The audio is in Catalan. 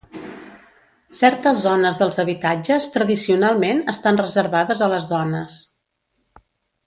Certes zones dels habitatges tradicionalment estan reservades a les dones.